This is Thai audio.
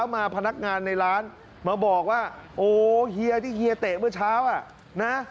มาบอกว่าโอ้เฮียที่เฮียเตะเมื่อเช้าอ่ะนะ